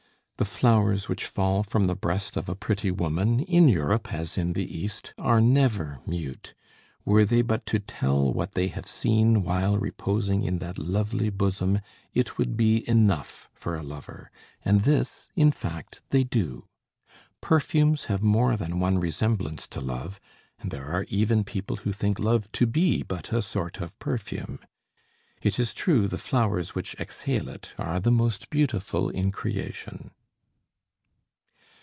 The flowers which fall from the breast of a pretty woman, in Europe, as in the East, are never mute; were they but to tell what they have seen while reposing in that lovely bosom, it would be enough for a lover, and this, in fact, they do. Perfumes have more than one resemblance to love, and there are even people who think love to be but a sort of perfume; it is true the flowers which exhale it are the most beautiful in creation.